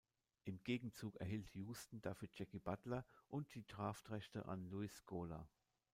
Im Gegenzug erhielt Houston dafür Jackie Butler und die Draftrechte an Luis Scola.